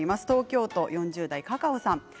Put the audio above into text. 東京都４０代です。